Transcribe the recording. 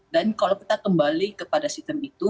dan kalau kita kembali kepada sistem itu